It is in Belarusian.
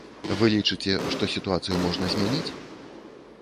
Вы лічыце, што сітуацыю можна змяніць?